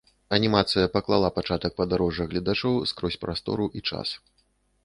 Анімацыя паклала пачатак падарожжа гледачоў скрозь прастору і час.